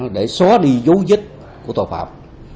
để xóa đi dấu viết của tòa phạm